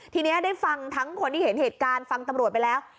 ทีนี้ได้ฟังทั้งคนที่เห็นเหตุการณ์ฟังตำรวจไปแล้ว